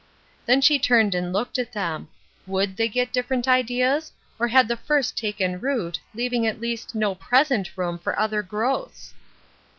Then she turned and looked at them. Would they get different ideas, or had the first taken root, leaving at least no present room for other growths